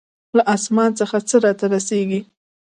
له آسمان څخه څه راته رسېږي.